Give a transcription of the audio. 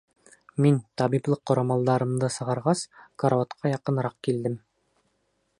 Мин, табиплыҡ ҡорамалдарымды сығарғас, карауатҡа яҡыныраҡ килдем.